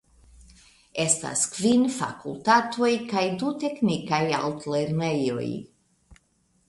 Estas kvin fakultatoj kaj du teknikaj altlernejoj.